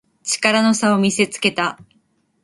力の差を見せつけた